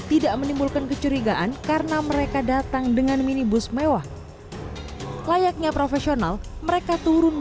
tidak menimbulkan kecurigaan karena mereka datang dengan minibus mewah layaknya profesional mereka turun